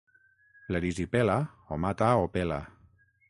L'erisipela o mata o pela.